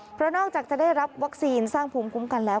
เพราะนอกจากจะได้รับวัคซีนสร้างภูมิคุ้มกันแล้ว